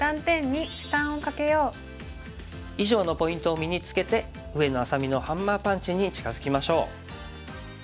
以上のポイントを身につけて上野愛咲美のハンマーパンチに近づきましょう。